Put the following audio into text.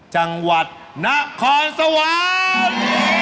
จังหวัดนครสวรรค์